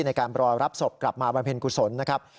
ในการรอรับศพกลับมาบำเพ็ญกุศลนะครับ